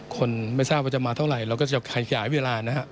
คนไม่ทราบว่าจะมาเท่าไหร่เราก็จะขยายเวลานะครับ